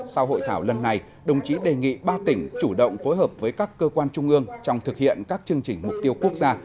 sau hội thảo lần này đồng chí đề nghị ba tỉnh chủ động phối hợp với các cơ quan trung ương trong thực hiện các chương trình mục tiêu quốc gia